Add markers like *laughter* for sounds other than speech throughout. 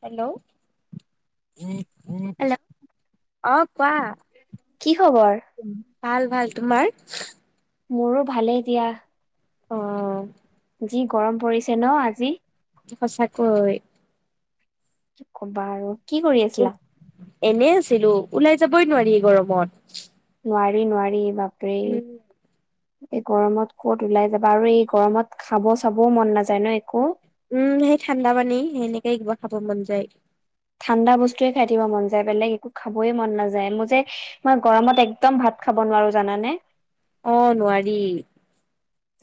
Hello উ hello অ কোৱা কি খবৰ? ভাল ভাল তোমাৰ মোৰো ভালেই এ দিয়া অ যি গৰম পৰিছে ন আজি সঁচাকৈ কি কবা আৰু কি কৰি আছিলা এনে আছিলো ওলাই যাবই নোৱাৰি গৰমত নোৱাৰি নোৱাৰি বাপৰে উম এই গৰমত কত ওলাই যাবা আৰু এই গৰমত খাব চাবও মন নাযায় ন একো উম সেই ঠাণ্ডা পানী সেনেকে কিবা খাব মন যায় ঠাণ্ডা বস্তুয়ে খাই দিব মন যায় বেলেগ একো খাবয় মন নাযায় মোৰ যে মই গৰমত একদম ভাত তাত খাব নোৱাৰো জানে অ নোৱাৰি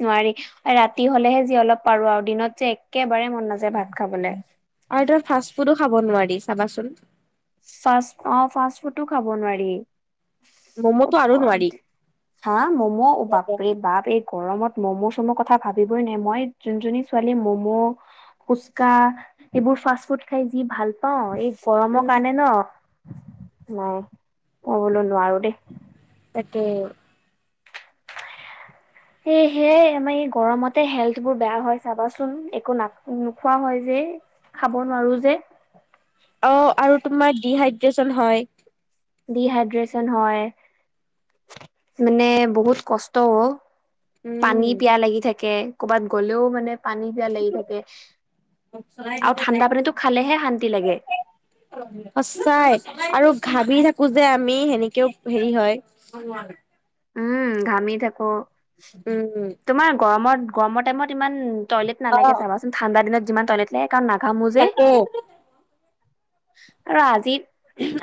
নোৱাৰি ৰাতি হলেহে যি অলপ পাৰো আৰু দিনত যে একে একবাৰে মন নাযায় ভাত খাবলৈ আৰু তাৰ ফাষ্ট ফুডো খাব নোৱাৰি চাবাচোন ফ অ ফাষ্ট ফুডটো খাব নোৱাৰি ম'ম'টো ত আৰু নোৱাৰি হা মম' বাপ বাপ এই গৰমত ম'ম' চম' কথা ভাবিবই নাই মই যোনজনী ছোৱালী ম'ম' ফুচকা এইবোৰ ফাষ্ট ফুড খাই যি ভাল পাওঁ এই গৰমৰ উম কাৰণে ন নাই কবলৈ নোৱাৰো দেই তাকে সে সেয়াই আমাৰ এই গৰমতে হেল্থ বোৰ বেয়া হয় চাবাচোন একো ন নোখোৱা হয়। যে খাব নোৱাৰো যে। অ আৰু তোমাৰ ডিহাইড্ৰচন হয়। ডিহাইড্ৰেচন হয় মানে বহুত কষ্টও অ। পানী উম পিয়া লাগি থাকে কৰ'বাত গ'লেও মানে পানী দিয়া লাগি থাকে আৰু ঠাণ্ডা পানীটো খালেহে শান্তি লাগে। সচাই আৰু ঘাবি খোজে আমি সেনেকেও হেৰি হয়। উম ঘামি থাকো উম তোমাৰ গৰমত গৰমৰ টাইমত ইমান টয়লেট অ নালাগে চাবাচোন ঠাণ্ডা দিনত যিমান টয়লেট লাগে কাৰণ নাঘামো যে। তাকে *unintelligible* আৰু আজি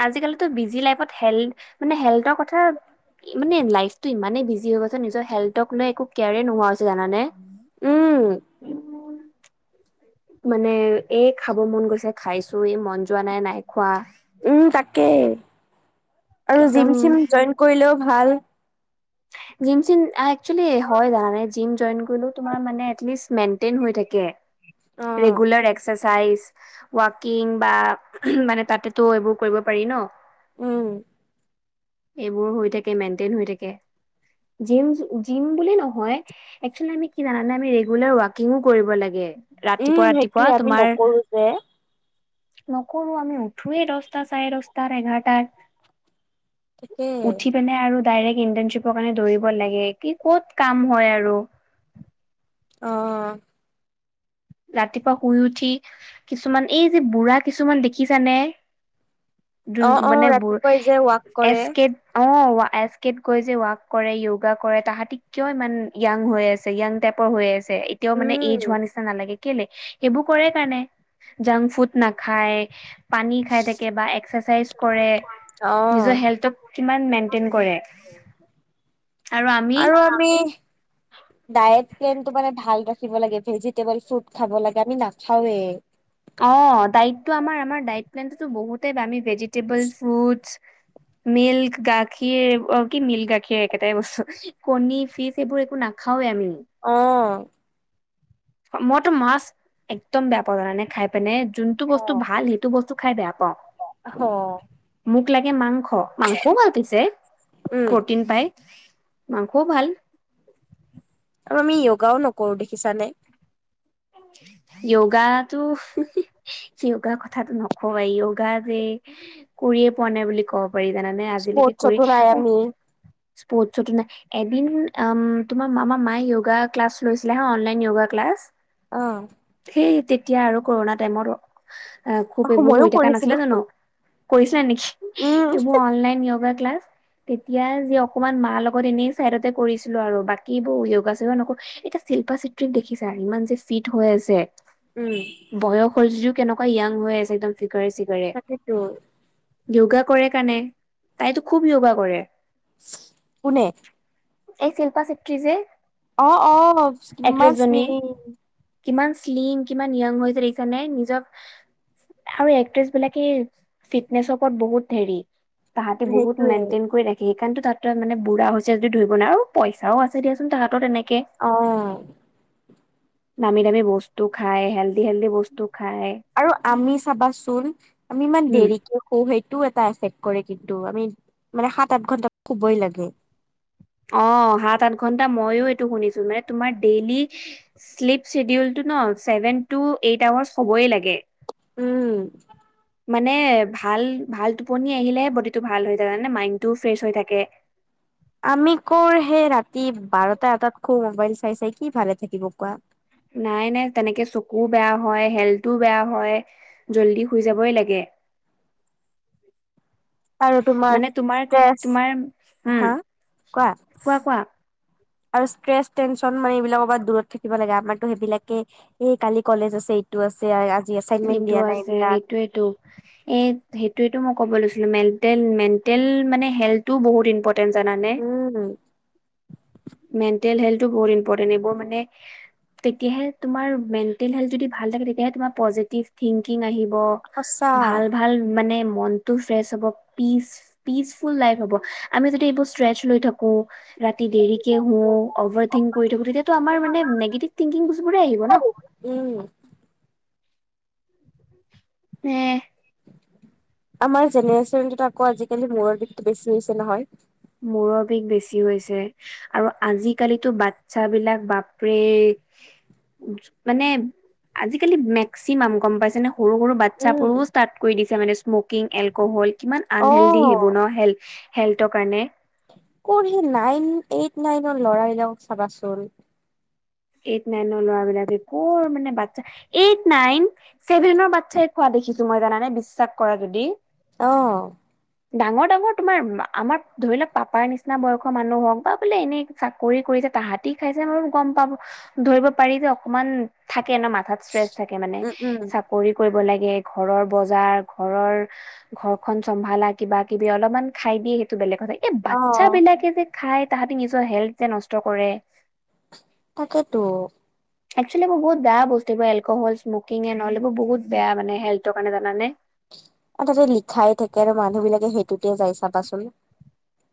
আজিকালি টো বিজি লাইফত হেল মানে হেল্থৰ কথা মানে লাইফতটো ইমানেই বিজি হৈ গৈছে নিজৰ হেল্থক লৈ একো কেয়াৰে নোহোৱা হৈছে, জানা নে? উম মানে এ খাব মন গৈছে খাইছো ই মন যোৱা নাই নাই খোৱা। উম তাকেই আৰু একদম জিম চিম জইন কৰিলেও ভাল। *unintelligible* জিম চিম একচুৱেলী হয় জানা নে জিম জইন কৰিলো তোমাৰ মানে এট লিষ্ট মেইনটেইন হয় থাকে। অ ৰেগুলাৰ এক্সাই চাইচ ৱাকিং বা মানে তাতেতো এইবোৰ কৰিব পাৰি ন। উম। এইবোৰ হৈ থাকে মেইনটেইন হৈ থাকে। জিম জিম বুলি নহয় একচেল আমি কি জানানে আমি ৰেগুলাৰ ৱাকিংৱো কৰিব লাগে। ৰাতিপুৱা উম ৰাতিপুৱা সেইটোয়ে আমি তোমাৰ নকৰো যে নকৰো আমি উঠোৱেই ৰাস্তা চাই ৰাস্তাৰ এঘাৰটাত। তাকে উঠি পিনে আৰু ডাইৰেক্ট ইন্টাৰ্নশিপৰ কাৰণে দৌৰিব লাগে কি ক'ত কাম হয় আৰু। অ। ৰাতিপুৱা শুই উঠি কিছুমান এই যে বুঢ়া কিছুমান দেখিছানে? যোন অ অ মানে ৰাতিপুৱাই যে ৱাক এচ কৰে কে অ এচ কেত গৈ যে ৱাক কৰে য়োগা কৰে তাহাঁতি কিয় ইমান য়াং হৈ আছে য়াং টাইপৰ হৈ আছে। এতিয়াও মানে এইজ উম হোৱা নিচিনা নালাগে। কেলে সেইবোৰ কৰে কাৰণে জংক ফুড নাখায়। পানী খাই থাকে বা এক্সাৰচাইজ কৰে। অ নিজৰ হেল্থক কিমান মেইনটেইন কৰে আৰু আমি *inaudible* ডায়েট প্লেন টো মানে ভাল ৰাখিব লাগে ভেজিটেবল ফ্ৰুট খাব লাগে আমি নাখাওৱে। অঁ দাইত টো আমাৰ আমাৰ দাইট মেইনটো তো বহুতেই ভেজিটেবল ফ্ৰুটচ্ *inaudible* মিল্ক গাখীৰ অ কি মিল্ক গাখীৰ একেটাই বস্তু কণী ফিচ এইবোৰ একো নাখাওৱে আমি। উম। অ মইতো মাছ একদম বেয়া পাওঁ জানা নে খাই পিনে। যোনটো অ বস্তু ভাল সেইটো বস্তু খাই বেয়া পাওঁ। হ মোক লাগে মাংস মাংসও ভাল পাইছে উম প্ৰটিন পাই। মাংসও ভাল। আৰু আমি য়োগাও নকৰো দেখিছানে? য়োগটো য়োগাৰ কথাাতটো নক এই য়োগা যে কৰিয়ে পোৱা নাই বুলি ক'ব পাৰি জানানে আজিলৈকে কৰি স্পৰ্টছতো নাই অ আমি স্পৰ্ট টো নাই, এদিন তোমাৰ মামা মায় য়োগা ক্লাছ লৈছিলে হা অনলাইন য়োগা ক্লাছ। অঁ। তেতিয়া আৰু কৰোণা টাইমত অ খুব এইবোৰ ময়ো হৈ থকা নাছিলে কৰিছিলো জানো কৰিছে নেকি উম অনলাইন যোগা ক্লাছ তেতিয়া যে অকনমান মাৰ লগত এনেই চাইডতে কৰিছিলো আৰু বাকী বোৰ সেউগা চা নকৰো এতিয়া শিল্পা চিত্ৰিত দেখিছা ইমান যে ফিট হৈ আছে উম বয়স হ যদিও কেনেকুৱা য়াং হৈ আছে এক্দম ফিট তাকেেতো য়োগা কৰে কণে তাইতো খুব য়োগা কৰে পনে এই শিল্পা চটি যে অ অ কিমান স্মি এক্ট্ৰেছজনী কিমান শ্লিং কিমান নিয়ং হৈছে দেিছ নে নিজক আৰু এক্ট্ৰেছ বিলাকে ফিটনেচৰ ওপৰত বহুত ধেৰি তাহাঁতি বহুত সেইটোৱে মেইনটেইন কৰি ৰাখে সেইকাৰণ তাহতে মানে বুঢ়া হৈছেদি ধৰিব নাই আৰু পইচাও আছে দিয়াচোন তাহাঁত এনেকে অ দামী দামী বস্তু খায় হেল্দি হেল্দি বস্তু খায় আৰু আমি চাবাচোন আমি ইমান উম দেৰিকে শো সেইটোও এটা আছে কৰে কিন্তু আমি মানে সাত আঠ ঘন্টা শুবই লাগে অ সাত আঠ ঘন্টা মইো এইটো শুনিছো মানে তোমাৰ ডেইলি শ্লিপ শ্বেডিউল ন চছেভেন টু এইট আৱাৰ্চ হ'বই লাগে উম মানে ভাল ভাল টোপনি আহিলেহে বডি টো ভাল হৈ থাকে মানে মাইণ্ডটো ফ্ৰেচ হৈ থাকে আমি ক সেই ৰাতি বাৰটা এটাত খু মোবাইল চাই চাই কি ভালে থাকিব কোৱা নাই নাই তেনেকে চকুও বেয়া হয় হেল্থো বেয়া হয় জল্দি শুই যাবই লাগে আৰু মানে তোমাৰ ষ্ট্ৰেছ তোমাৰ উম হা কোৱা আৰু ষ্ট্ৰেছ টেনশ্যন মানে এইবিলাক অ দূৰত থাকিব লাগে আমাৰতো সেইবিলাকে এই কালি কলেজ আছে এইটো ছে এইটো আছে সেইটোয়েতটো এই সেইটোয়টো মই কব লৈছো ম ম উম, মেণ্টেল হেল্থো বহুত ইম্পটেট এই বব মানে তেতিয়াহে তোমাৰ মেণ্টেল হেল্থ যদি ভাল থাকে তেতিয় থংকিং আহ সঁচা ভাল ভাল মান মনতটো ফ্ৰেছ হব পিচ পিচফুল লাইফ হব আমি যদি এইবোৰ ষ্ট্ৰেচ লৈ থাকো ৰাতি উম, দেৰিকে শো অভাৰ থিংক কৰি থাকো তেতিাতো আমাৰ মানে নিগেটিভ থিংকিংছবোৰে আহিব ন উ উম আমাৰ জেনেৰেশ্যনটোত আকৌ আজিকালি মূৰৰ বিষটো বেছি হৈছে নহয় মূৰৰ বিষ বেছি হৈছে আৰু আজিকালিতো বাচ্ছাবলাক বাপৰে মানে আজিকালি মেক্সিমাম গম পাইছে ন সৰু সৰু উম। বাচ্ছাবোৰও ষ্টাৰ্ট কৰি দিছে মানে স্মকিং এলকহল কিমান আনহেলডি অ', হেইবোৰ ন হেল হেল্থৰ কাৰণে কঢহি নাইন এইট নাইনৰ লৰালাকক চাবাচোন এইট নাইনৰ ল'ৰাবলাকে ক মানে বাচ্ছা এইট নাইন চছেভেনৰ বাচ্ছাই কোৱা দেখিছো মই জানে বিশ্বাস কৰা যদি আহ ডাঙৰ ডাঙৰ তোমাৰ আমাৰ ধৰি লওক পাপাৰ নিচিনা বয়সৰ মানুহ হওক বা বোলে এনেই চাকৰি কৰি তাহাঁতি খাইছে মাৰু গম পাব ধৰিব পাৰি যে অকমান থাকে ন মাথাত ষ্ট্ৰেচ থাকে মানে উম, উম। চাকৰি কৰিব লাগে ঘৰৰ বজাৰ ঘৰৰ ঘৰখন চম্ভালা কিবা কিবি অলপমান খাই দিয়ে সেইটো বেলেগ কথা। এই বাচ্চা অ', বিলাকে যে খাই তাহাঁতি নিজৰ হেল্থ যে নষ্ট কৰে। তাকেতো। একচুৱেলি এইবোৰ বহুত বেয়া বস্তু এই এলকহল, স্মকিং, এন অল বহুত বেয়া মানে হেলঠৰ কাৰণে জানানে? তেতিয়া যাই চাবাচোন।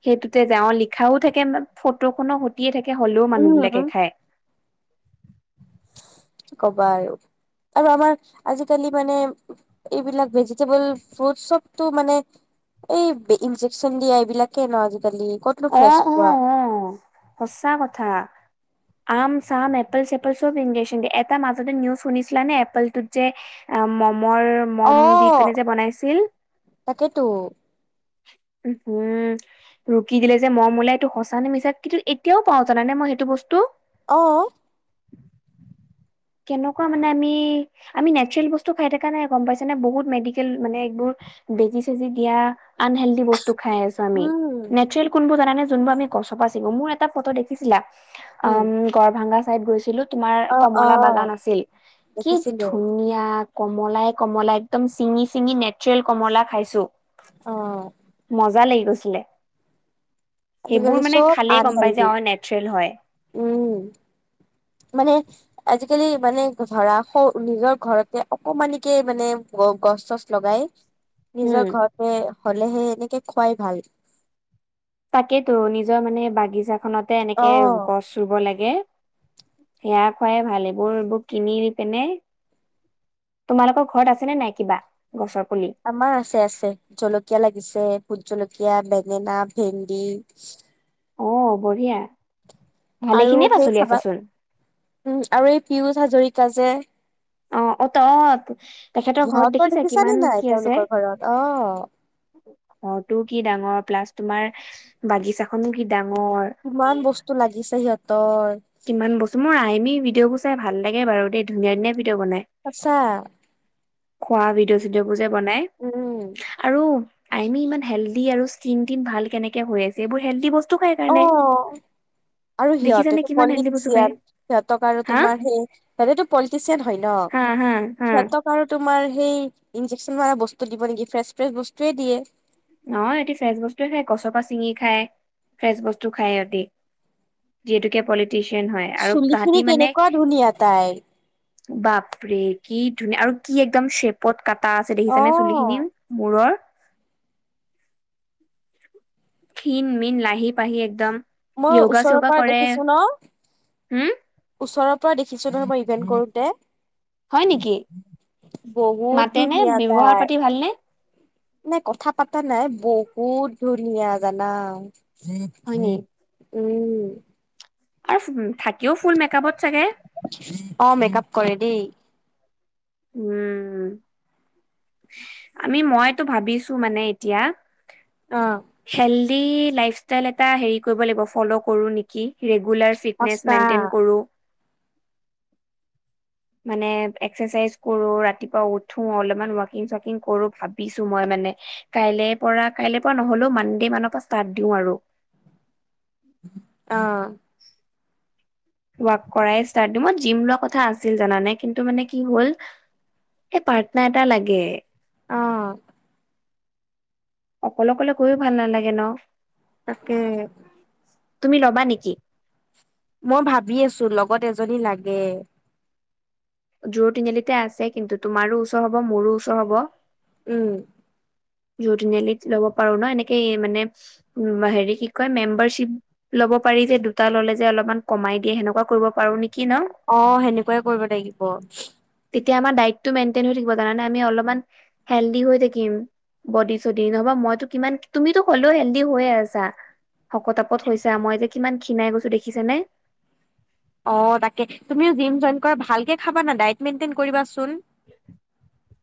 সেইটোতে যাওঁ লিখাও থাকে ফটো খনো সতিয়ে থাকে। হ'লেও মানুহ বিলাকে উম। খায়। কি ক'বা আৰু। আৰু আমাৰ আজিকালি মানে এইবিলাক ভেজিটেবল ফ্ৰুট চবতটো মানে এই ইনজেকচন দিয়া এইবিলাকে ন আজি অ', অ' অ' সঁচা কথা। আম চাম, এপ্পল চেপল, চব ইঞেশ এটা মাজতে নিউজ শুনিছলা নে এপল তোত যে উম মৰ মম দি অ', পিনে যে বনাইছিল? তাকেতো উম হম কি দিলে যে মম ওলাই এইটো সঁচা নে মিচা কিন্তু এতিয়াও পাও জানা নে মই সেইটো বস্তু। অ'। *inaudible* কেনেকুৱা মানে আমি আমি নেচাৰেল বস্তু খাই থকা নাই গম পাইছে নে বহুত মেডিকেল মানে *unintelligible* বেজি-চেজি দিয়া আনহেল্ডি বস্তু খাই আছো আমি। উম কোন বোৰ জানানে যোনবোৰ আমি গছৰপা চিঙু মোৰ এটা ফটো দেখিছিলা উম গৰ ভাংগা চাইদ গৈছিলো তোমাৰ অ অ কমলা বাগান আছিল কি দেখিছিলো ধুনীয়া কমলাই কমলা একদম চিঙি চিঙি নেচৰেল কমলা খাইছো। অ মজা লাগি গৈছিলে। আজিকালি সেইবোৰ মানে চব খালেই গম পায় আনহেল্ডি যে অ', নেচৰেল হয়। উম মানে আজিকালি মানে ধৰা নিজৰ ঘৰতে অকমানিকে মানে গচ চচ লগাই উম। নিজৰ ঘৰতে হ'লেহে এনেকে খুৱাই ভাল। তাকেইেতো নিজৰ মানে বাগিছাখনতে অ এনেকে গছ ৰুব লাগে। সেয়া খোৱাই ভাল এইবোৰ এইবোৰ কিনি পিনে তোমালোকৰ ঘৰত আছেনে নাই কিবা? গছৰ পুলি? আমাৰ আছে আছে জলকীয়া লাগিছে ভোট জলকীয়া কীয়া, বেঙেনা, ভেন্ডি অ' বঢ়িয়া। ভালে আৰু খিনিয়ে সেই পাচলি চাবা আছেচোন উম আৰু পীযুষ হাজৰিকা যে অ', অ' *unintelligible* তেখেতৰ ঘৰত সিহঁতৰ দেখিছা দেখিছানে কিমান নাই কি আছে? তেওঁলোকৰ ঘৰত অ ঘৰটোও কি ডাঙৰ প্লাছ তোমাৰ বাগিছাখনো কি ডাঙৰ কিমান বস্তু লাগিছে সিহঁতৰ। কিমান বস্তু মোৰ আইমি ভিডিঅ বোৰ চাই ভাল লাগে বাৰু দেই ধুনীয়া-ধুনীয়া সচা। খোৱা ভিডিঅ' চিডিঅ'বোৰ যে বনাই উম। আৰু আইমি ইমান হেল্ডি আৰু স্কিন টিন ভাল কেনেকে হৈ আছে এইবোৰ হেল্ডি বস্তু খাই অ' কাৰণে আৰু দেখিছানে সিহঁতেতো কিমান হেল্ডি বস্তু খায় পলিটিচিয়ান সিহঁতক আৰু হা তোমাৰ সেই সিহঁতে টো পলিটিচিয়ান হয় ন। হা হা হা সিহঁতক আৰু তোমাৰ সেই ইনজেকচন মৰা বস্তু দিব নেকি ফ্ৰেছ-ফ্ৰেছ বস্তুয়ে দিয়ে। নহয় ইিহঁতি ফ্ৰেচ বস্তুৱে খায় কছৰপা চিঙি খায় ফ্ৰেচ বস্তু খায় সিহঁতি। যিহেতোকে পলিটি চিয়ান হয় আৰু চুলি খিনি তাহতি মানে কেনেকুৱা ধুনীয়া তাইৰ। বাপৰে কি ধুনীয়া আৰু কি একদম শ্বেপত কাটা আছে দেখিছানে অ'। চুলিখিনি মূৰৰ। খিনমিন লাহি পাহি একদম। মই য়োগা ওচৰৰ চোগা পৰা কৰে দেখিছো ন হম ওচৰৰ পৰা দেখিছো নহয় মই। কৰোতে হয় নেকি বহুত মাতে নে ধুনীয়া ব্যৱহাৰ তাই। পাতি ভালনে নাই, কথা পাতা নাই বহুত ধুনীয়া জানা। হয় নি উ, আৰু থাকিও ফুল মেকপত চাগে। অ', মেকআপ কৰে দেই। উম আমি মইতো ভাবিছো মানে এতিয়া অহ। কি লাইফ ষ্টাইল এটা হেৰি কৰিব লাগিব, ফ'ল' কৰো নেকি? ৰেগুলাৰ ফিটনেছ সঁচা মেইনটেইন কৰোঁ। মানে এক্সাৰচাইজ। কৰো ৰাতিপুৱা উঠো অলপমান ৱাকিং চকিং কৰো ভাবিছো মই মানে কাইলে পৰা কাইলেৰ পৰা নহ'লেও মনডে মানৰ পৰা ষ্টাৰ্ট দিওঁ আৰু। উম ৱাক কৰাই ষ্টাৰ্ট দিম, মই জিম লোৱা কথা আছিল জানানে কিন্তু মানে কি হ'ল এই প্ৰাৰ্থনা এটা লাগে। অ অকলে অকলে গৈও ভাল নালাগে ন। তাকে। তুমি ল'বা নেকি? মই ভাবি আছো লগত এজনী লাগে। জোৰ তিনিআলিতে আছে কিন্তু, তোমাৰো ওচৰ হব মোৰো ওচৰ হব। উম। *unintelligible* লব পাৰো ন এনেকে মানে হেৰি কি কয় মেম্বাৰশ্বিপ কব পাৰি যে দুটা ল'লে যে অলপমান কমাই দিয়ে সেনেুৱা কৰিব পাৰো নেকি ন,? অ সেনেকুৱাই কৰিব লাগিব। তেতিয়া আমাৰ ডটটো মেইনটেইন হৈ থাকিব, জানানে আমি অলপমান হেলডি হৈ থাকিম। বডি চডি নহবা মইতো কিমান তুমিতো হ'লেও হেল্ডি হৈয়ে আছা। শকতাপত হৈছে মই যে কিমান ক্ষীণাই গৈছো দেখিছে নে? অ তাকে, তুমিও জিম জইন কৰা ভালকে খাবানা ডাইত মেণ্টন কৰিবাচোন।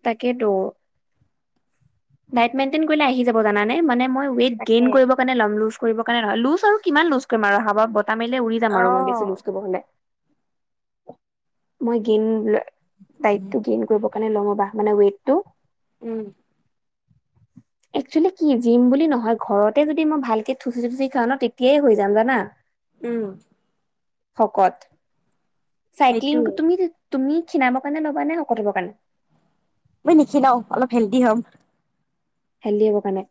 তাকে তো। ডাইট মেণ্টন কৰিলেই আহি যাব জানানে, মানে মই তাকে ৱেটগ্নেইন কৰিব কাৰনে লম কৰিব কাৰণে নহয়, লুজ আৰু কিমান লুজ কৰিম আৰু হাৱাত বতাহ মাৰিলে উৰি যাম অ আৰু মই বেছি লুজ কৰিব হলে। মই গেইন দায়িতটো গেইন কৰিব। ণে ল'ম বাহ মানে ৱেটতো উম, একচুৱেলি কি জিম বুলি নহয়, ঘৰতে যদি মই ভালকে থুচি থুচি খাওঁ ন তেতিয়াই হৈ যাম জানা উম। শকত চাইক্লিং সেইটোয়ে তুমি তুমি সিনাবৰ কাৰণে লবা নে শকত, হবৰ কাৰণে? মই লিখি লও অলপ হেল্ডি হ'ম। হেলদি হব কাৰণে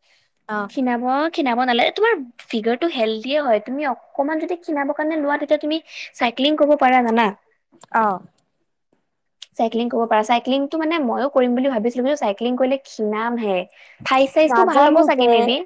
অ শিনাব শিনাব নালাগে তোমাৰ ফিগাৰটো হেলডিয়ে হয় তুমি অকমান যদি শিনাব কাৰণে লোৱা তেতিয়া তুমি ক্লিং কৰিব পাৰা জানা। অ চাইক্লিং কৰিব পাৰা, চাইক্লিংটো মানে মইো কৰিম বুলি ভাবিছিলো কিন্তু চাইক্লিং কৰিলে কিণাম হে। থইজ চাইজটো ভাল হব নাজানো চাগে যে নেকি।